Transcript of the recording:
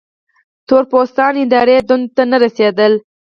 تور پوستان اداري دندو ته نه رسېدل.